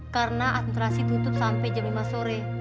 karena administrasi tutup sampai jam lima sore